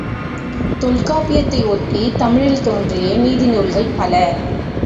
தொல்காப்பியத்தை ஒட்டித் தமிழில் தோன்றிய நீதிநூல்கள் பல.